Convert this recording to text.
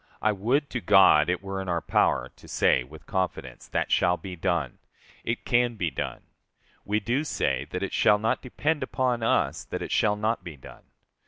I would to God it were in our power to say with confidence that shall be done! ["It can be done."] We do say that it shall not depend upon us that it shall not be done.